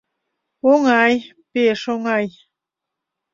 Оҥай, пеш оҥай.